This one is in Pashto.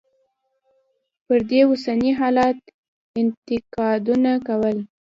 پر دې اوسني حالت انتقادونه کول.